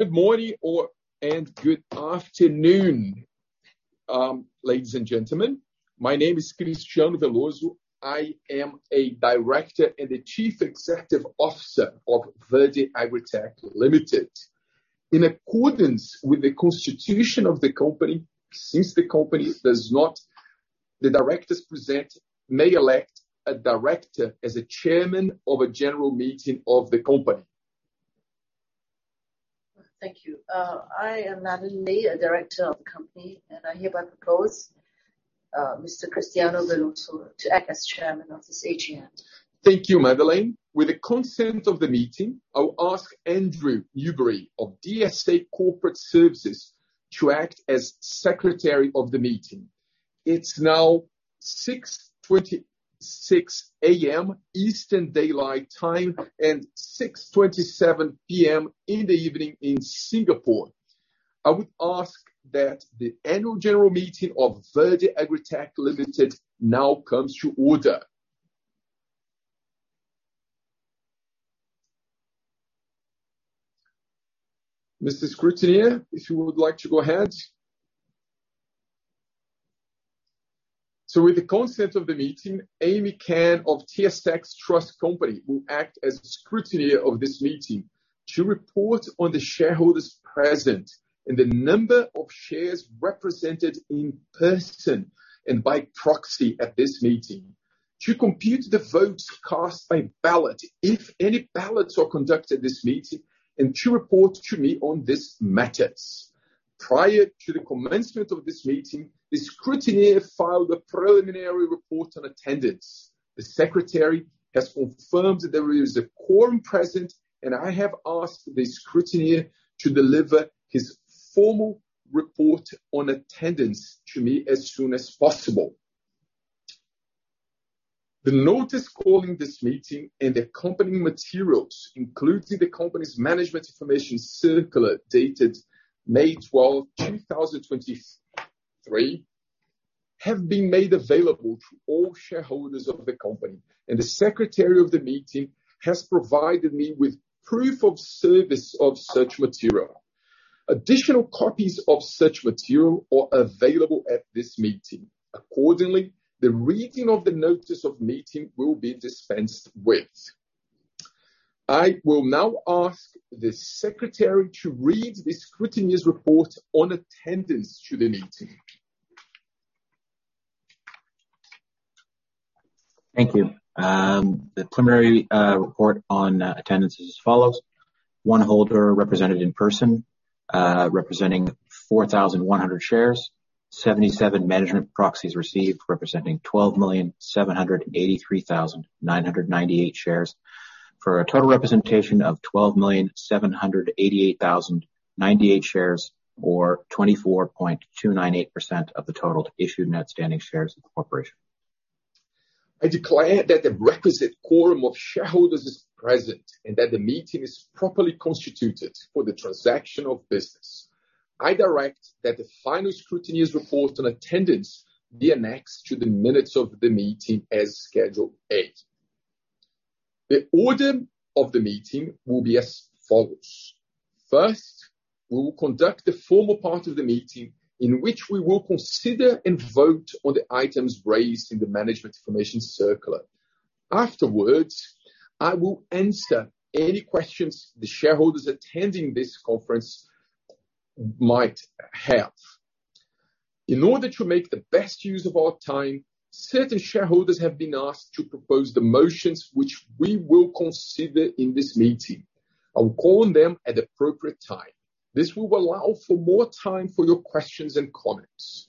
Good morning or good afternoon, ladies and gentlemen. My name is Cristiano Veloso. I am a Director and the Chief Executive Officer of Verde AgriTech Limited. In accordance with the constitution of the company, since the company does not, the directors present may elect a director as a chairman of a general meeting of the company. Thank you. I am Madeleine Lee, a director of the company, and I hereby propose, Mr. Cristiano Veloso to act as chairman of this AGM. Thank you, Madeleine. With the consent of the meeting, I'll ask Andrew Newbury of DSA Corporate Services to act as Secretary of the meeting. It's now 6:26 A.M. Eastern Daylight Time, and 6:27 P.M. in the evening in Singapore. I would ask that the annual general meeting of Verde AgriTech Limited now comes to order. Mr. Scrutineer, if you would like to go ahead? With the consent of the meeting, Amy Cann of TSX Trust Company, will act as the scrutineer of this meeting to report on the shareholders present and the number of shares represented in person and by proxy at this meeting, to compute the votes cast by ballot, if any ballots are conducted this meeting, and to report to me on these matters. Prior to the commencement of this meeting, the scrutineer filed a preliminary report on attendance. The secretary has confirmed that there is a quorum present, and I have asked the scrutineer to deliver his formal report on attendance to me as soon as possible. The notice calling this meeting and the accompanying materials, including the company's management information circular, dated May 12, 2023, have been made available to all shareholders of the company, and the secretary of the meeting has provided me with proof of service of such material. Additional copies of such material are available at this meeting. Accordingly, the reading of the notice of meeting will be dispensed with. I will now ask the secretary to read the scrutineer's report on attendance to the meeting. Thank you. The preliminary report on attendance is as follows: 1 holder represented in person, representing 4,100 shares, 77 management proxies received, representing 12,783,998 shares, for a total representation of 12,788,098 shares, or 24.298% of the total issued net outstanding shares of the corporation. I declare that the requisite quorum of shareholders is present and that the meeting is properly constituted for the transaction of business. I direct that the final scrutineer's report on attendance be annexed to the minutes of the meeting as Schedule A. The order of the meeting will be as follows: first, we will conduct the formal part of the meeting, in which we will consider and vote on the items raised in the Management Information Circular. Afterwards, I will answer any questions the shareholders attending this conference might have. In order to make the best use of our time, certain shareholders have been asked to propose the motions which we will consider in this meeting. I will call on them at the appropriate time. This will allow for more time for your questions and comments.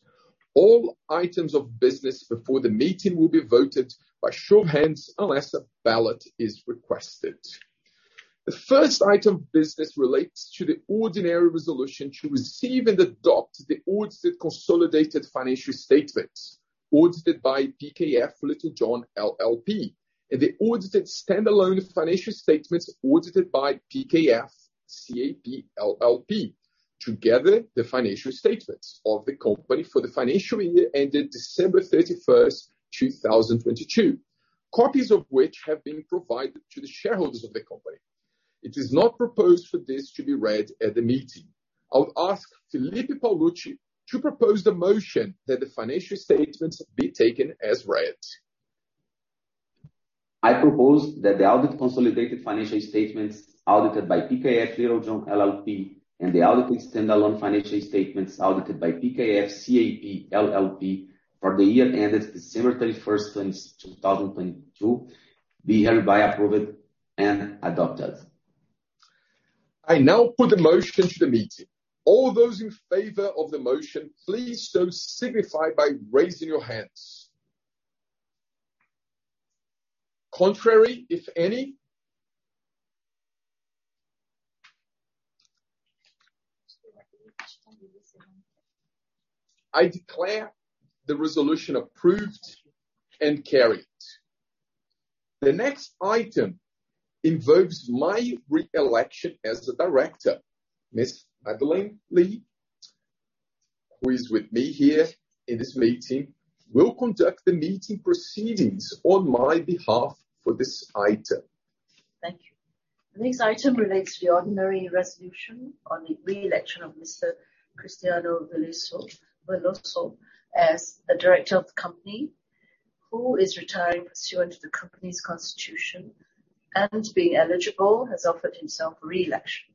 All items of business before the meeting will be voted by show of hands, unless a ballot is requested. The first item of business relates to the ordinary resolution to receive and adopt the audited consolidated financial statements, audited by PKF Littlejohn LLP, and the audited standalone financial statements audited by PKF-CAP LLP. Together, the financial statements of the company for the financial year ended December 31, 2022. Copies of which have been provided to the shareholders of the company. It is not proposed for this to be read at the meeting. I would ask Felipe Paolucci to propose the motion that the financial statements be taken as read. I propose that the audited consolidated financial statements audited by PKF Littlejohn LLP and the audited standalone financial statements audited by PKF-CAP LLP for the year ended December 31st, 2022, be hereby approved and adopted. I now put the motion to the meeting. All those in favor of the motion, please so signify by raising your hands. Contrary, if any? I declare the resolution approved and carried. The next item involves my re-election as a director. Ms. Madeleine Lee?... who is with me here in this meeting, will conduct the meeting proceedings on my behalf for this item. Thank you. The next item relates to the ordinary resolution on the re-election of Mr. Cristiano Veloso, as a director of the company, who is retiring pursuant to the company's constitution, and being eligible, has offered himself re-election.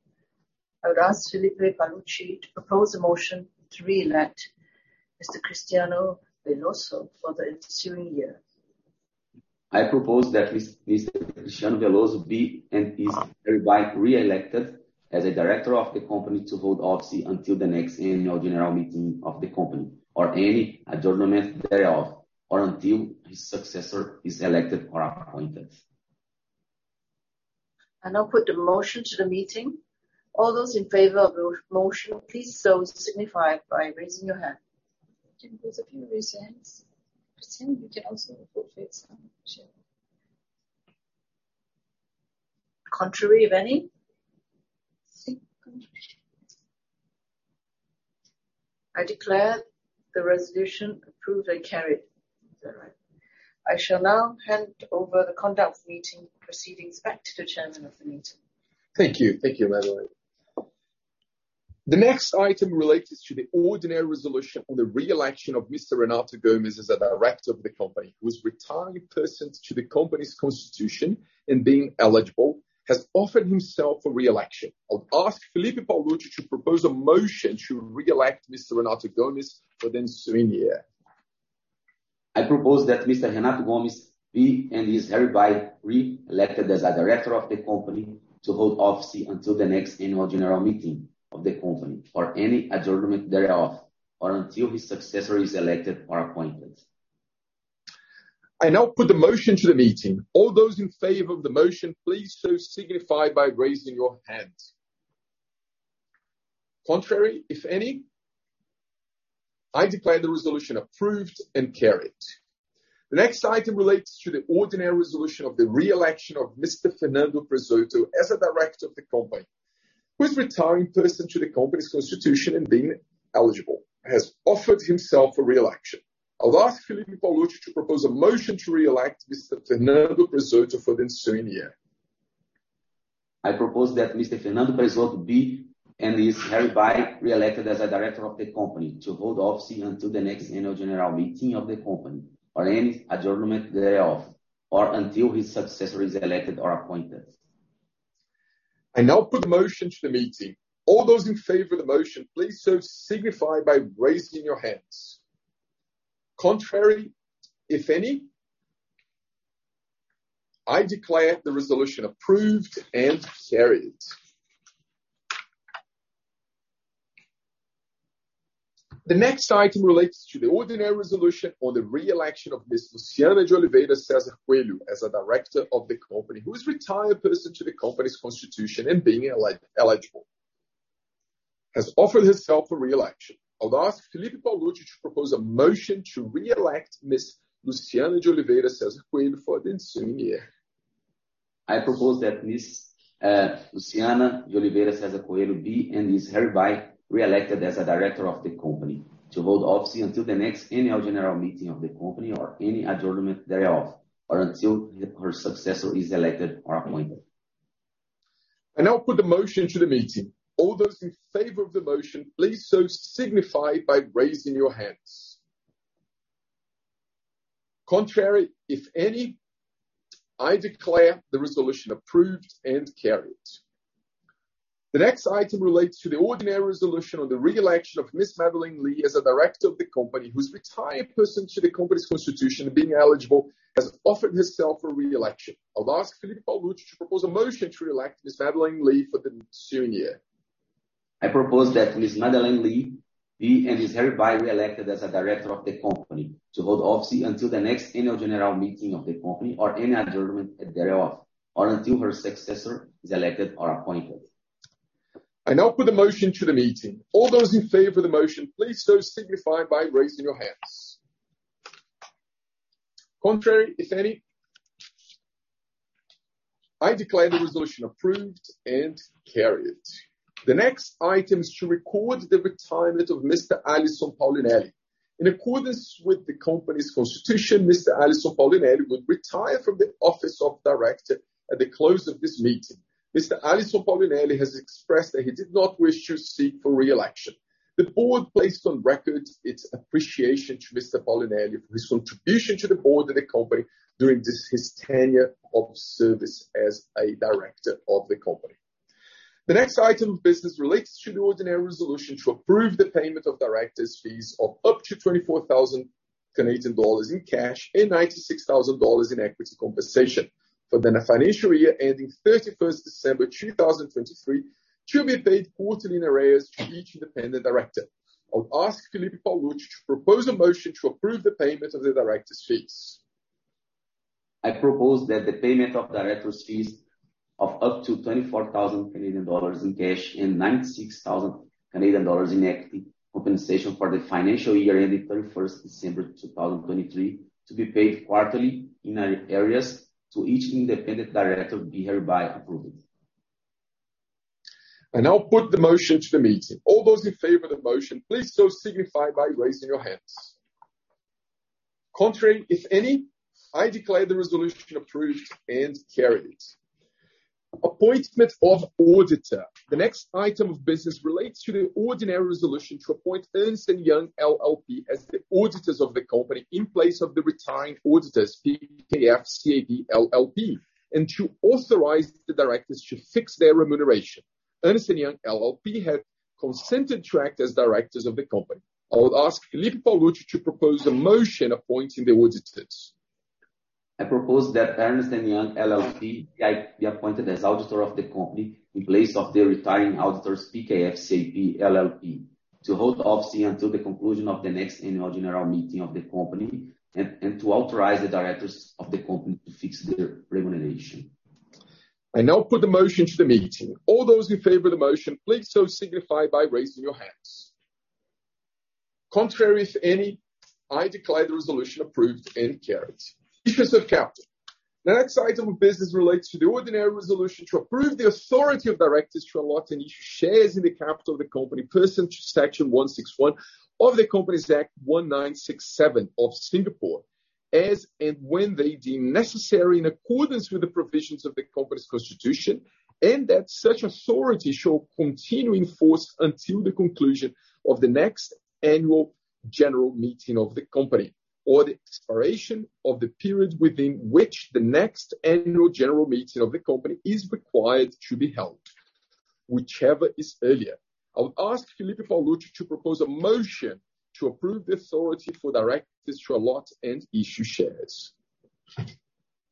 I would ask Felipe Paolucci to propose a motion to re-elect Mr. Cristiano Veloso for the ensuing year. I propose that Mr. Cristiano Veloso be and is hereby re-elected as a director of the company to hold office until the next annual general meeting of the company or any adjournment thereof, or until his successor is elected or appointed. The next item relates to the ordinary resolution on the re-election of Miss Luciana de Oliveira Cezar Coelho, as a director of the company, who has retired person to the company's constitution and being eligible, has offered herself for re-election. I'll ask Felipe Paolucci to propose a motion to re-elect Miss Luciana de Oliveira Cezar Coelho for the ensuing year. I propose that Miss Luciana de Oliveira Cezar Coelho be, and is hereby re-elected as a director of the company to hold office until the next annual general meeting of the company or any adjournment thereof, or until her successor is elected or appointed. I now put the motion to the meeting. All those in favor of the motion, please so signify by raising your hands. Contrary, if any? I declare the resolution approved and carried. The next item relates to the ordinary resolution on the re-election of Miss Madeleine Lee as a director of the company, who's retired person to the company's constitution, and being eligible, has offered herself for re-election. I'll ask Felipe Paolucci to propose a motion to re-elect Miss Madeleine Lee for the ensuing year. I propose that Miss Madeleine Lee be, and is hereby re-elected as a director of the company to hold office until the next annual general meeting of the company or any adjournment thereof, or until her successor is elected or appointed. I now Appointment of auditor. The next item of business relates to the ordinary resolution to appoint Ernst & Young LLP as the auditors of the company in place of the retiring auditors, PKF-CAP LLP, and to authorize the directors to fix their remuneration. Ernst & Young LLP have consented to act as directors of the company. I'll ask Felipe Paolucci to propose a motion appointing the auditors. I propose that Ernst & Young LLP, be appointed as auditor of the company in place of their retiring auditors, PKF-CAP LLP, to hold office until the conclusion of the next annual general meeting of the company and to authorize the directors of the company to fix their remuneration. I now put the motion to the meeting. All those in favor of the motion, please so signify by raising your hands. Contrary, if any, I declare the resolution approved and carried. Issue of capital. The next item of business relates to the ordinary resolution to approve the authority of directors to allot any shares in the capital of the company, pursuant to Section 161 of the Companies Act 1967 of Singapore, as and when they deem necessary in accordance with the provisions of the company's constitution, and that such authority shall continue in force until the conclusion of the next annual general meeting of the company, or the expiration of the period within which the next annual general meeting of the company is required to be held, whichever is earlier. I'll ask Felipe Paolucci to propose a motion to approve the authority for directors to allot and issue shares.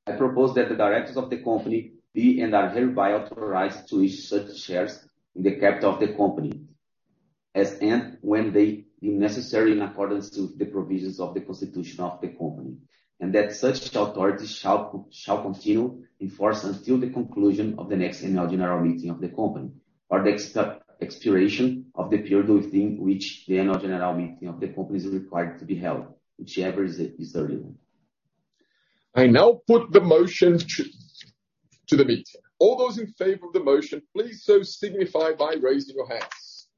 I propose that the directors of the company be, and are hereby authorized, to issue such shares in the capital of the company as and when they deem necessary in accordance to the provisions of the constitution of the company, and that such authority shall continue in force until the conclusion of the next annual general meeting of the company, or the expiration of the period within which the annual general meeting of the company is required to be held, whichever is earlier. I now put the motion to the meeting. All those in favor of the motion, please so signify by raising your hands.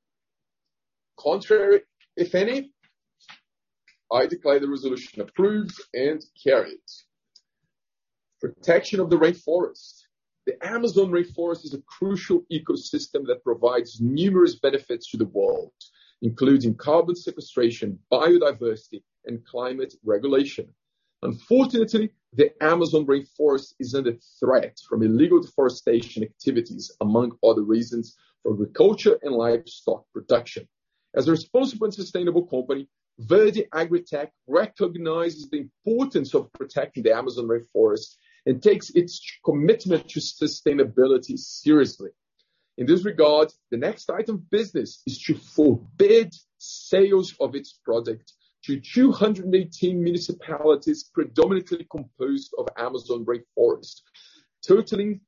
Contrary, if any, I declare the resolution approved and carried. Protection of the rainforest. The Amazon rainforest is a crucial ecosystem that provides numerous benefits to the world, including carbon sequestration, biodiversity, and climate regulation. Unfortunately, the Amazon rainforest is under threat from illegal deforestation activities, among other reasons, for agriculture and livestock production. As a responsible and sustainable company, Verde AgriTech recognizes the importance of protecting the Amazon rainforest and takes its commitment to sustainability seriously. In this regard, the next item of business is to forbid sales of its product to 218 municipalities, predominantly composed of Amazon rainforest, totaling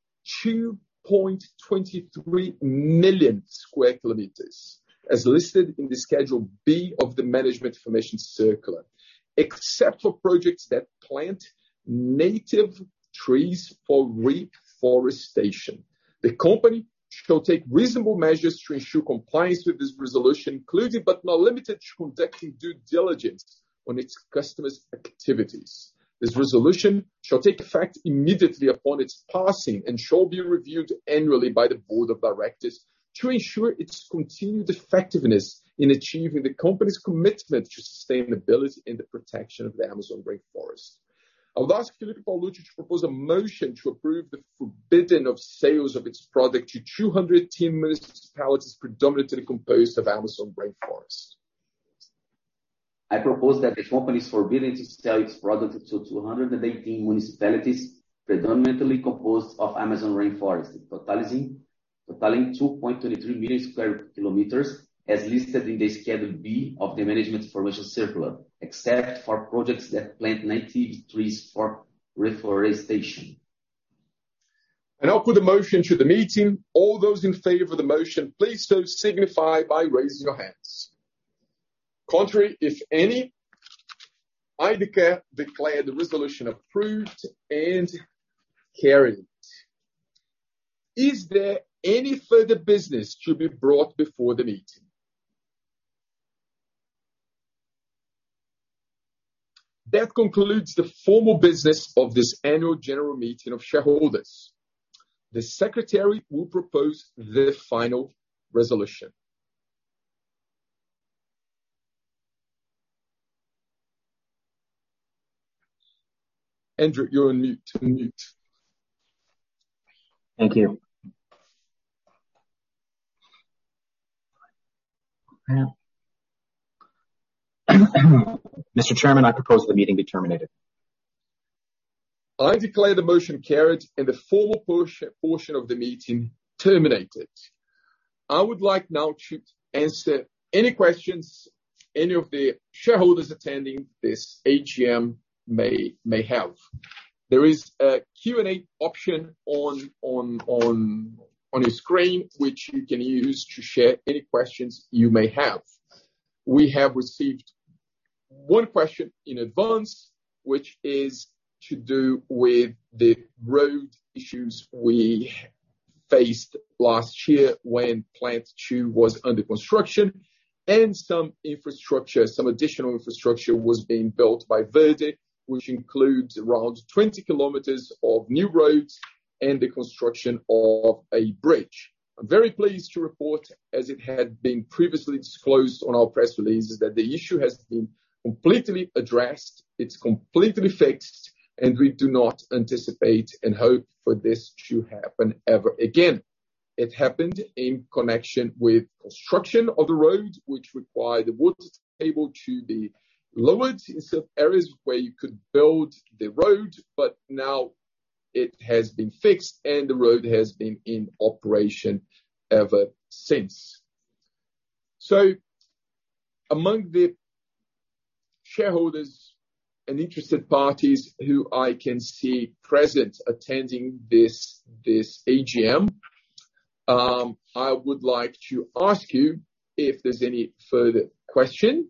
2.23 million square kilometers, as listed in the Schedule B of the Management Information Circular, except for projects that plant native trees for reforestation. The company shall take reasonable measures to ensure compliance with this resolution, including, but not limited to, conducting due diligence on its customers' activities. This resolution shall take effect immediately upon its passing, and shall be reviewed annually by the board of directors to ensure its continued effectiveness in achieving the company's commitment to sustainability and the protection of the Amazon rainforest. I'll ask Felipe Paolucci to propose a motion to approve the forbidding of sales of its product to 218 municipalities predominantly composed of Amazon rainforest. I propose that the company is forbidden to sell its products to 218 municipalities, predominantly composed of Amazon rainforest, totaling 2.23 million square kilometers, as listed in the Schedule B of the Management Information Circular, except for projects that plant native trees for reforestation. I'll put the motion to the meeting. All those in favor of the motion, please so signify by raising your hands. Contrary, if any, I declare the resolution approved and carried. Is there any further business to be brought before the meeting? That concludes the formal business of this annual general meeting of shareholders. The secretary will propose the final resolution. Andrew, you're on mute, unmute. Thank you. Mr. Chairman, I propose the meeting be terminated. I declare the motion carried and the formal portion of the meeting terminated. I would like now to answer any questions any of the shareholders attending this AGM may have. There is a Q&A option on the screen, which you can use to share any questions you may have. We have received one question in advance, which is to do with the road issues we faced last year when Plant Two was under construction and some infrastructure, some additional infrastructure was being built by Verde, which includes around 20 kilometers of new roads and the construction of a bridge. I'm very pleased to report, as it had been previously disclosed on our press releases, that the issue has been completely addressed. It's completely fixed, and we do not anticipate and hope for this to happen ever again. It happened in connection with construction of the road, which required the water table to be lowered in some areas where you could build the road, but now it has been fixed and the road has been in operation ever since. Among the shareholders and interested parties who I can see present attending this AGM, I would like to ask you if there's any further question,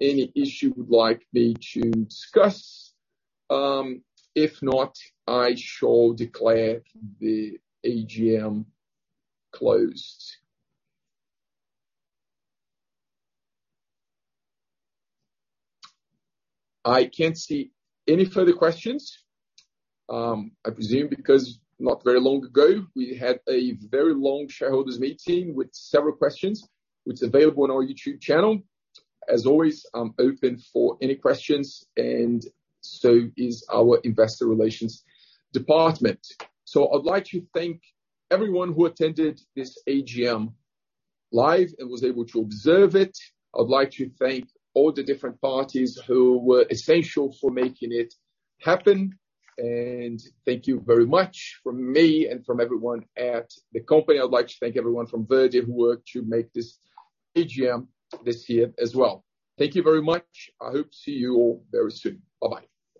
any issue you would like me to discuss? If not, I shall declare the AGM closed. I can't see any further questions. I presume because not very long ago, we had a very long shareholders meeting with several questions, which is available on our YouTube channel. As always, I'm open for any questions, and so is our investor relations department. I'd like to thank everyone who attended this AGM live and was able to observe it. I'd like to thank all the different parties who were essential for making it happen, and thank you very much from me and from everyone at the company. I'd like to thank everyone from Verde who worked to make this AGM this year as well. Thank you very much. I hope to see you all very soon. Bye-bye.